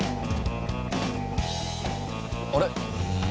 あれ？